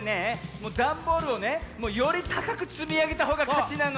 もうダンボールをねよりたかくつみあげたほうがかちなの。